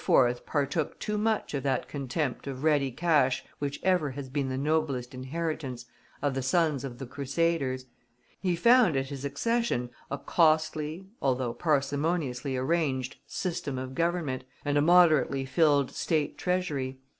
partook too much of that contempt of ready cash which ever has been the noblest inheritance of the sons of the Crusaders. He found at his accession a costly, although parsimoniously arranged system of government, and a moderately filled State Treasury.